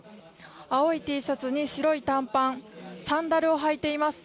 青いＴシャツに白い短パンサンダルを履いています。